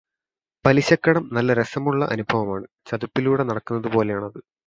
പലിശക്കടം നല്ല രസമുള്ള അനുഭവമാണ്, ചതുപ്പിലൂടെ നടക്കുന്നതുപോലെയാണ് അത്